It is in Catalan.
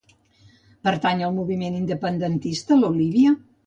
Pertany al moviment independentista l'Olivia?